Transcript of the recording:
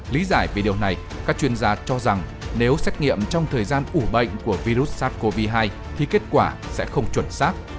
lý giải về điều này các chuyên gia cho rằng nếu xét nghiệm trong thời gian ủ bệnh của virus sars cov hai thì kết quả sẽ không chuẩn xác